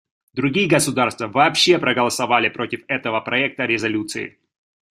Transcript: Другие государства вообще проголосовали против этого проекта резолюции.